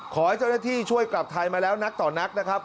ขอให้เจ้าหน้าที่ช่วยกลับไทยมาแล้วนักต่อนักนะครับ